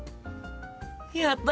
やった！